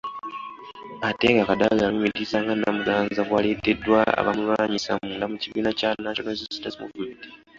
Ate nga Kadaga alumirizza nga Namuganza bw'aleeteddwa abamulwanyisa munda mu kibiina ki National Resistance Movement.